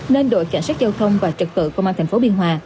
nên đội cảnh sát giao thông và trật tự công an tp biên hòa